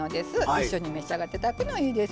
一緒に召し上がって頂くのがいいです。